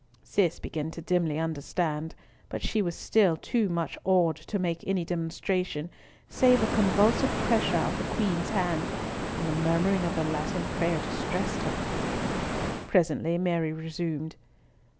'" Cis began dimly to understand, but she was still too much awed to make any demonstration, save a convulsive pressure of the Queen's hand, and the murmuring of the Latin prayer distressed her. Presently Mary resumed.